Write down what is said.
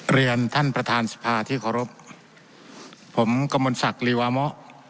เรียนท่านประธานสภาที่เคารพผมกมลศักดิวามะ